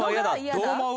どう思う？